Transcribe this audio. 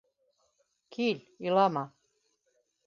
- Кил, илама...